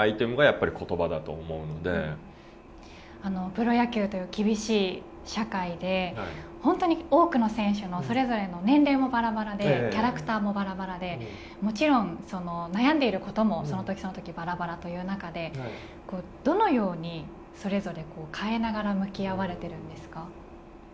プロ野球という厳しい社会で多くの選手それぞれ年齢もバラバラでキャラクターもバラバラでもちろん悩んでいるときもそのときそのときバラバラという中でどのように、それぞれ変えながら向き合われているんですか。